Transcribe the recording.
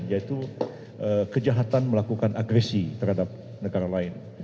yaitu kejahatan melakukan agresi terhadap negara lain